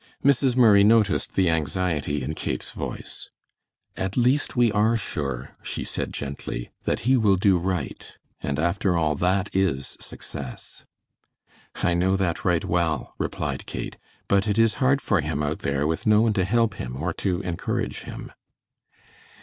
Mrs. Murray noticed the anxiety in Kate's voice. "At least we are sure," she said, gently, "that he will do right, and after all that is success." "I know that right well," replied Kate; "but it is hard for him out there with no one to help him or to encourage him."